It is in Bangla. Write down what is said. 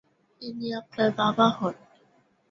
ইনি আপনার বাবা হন।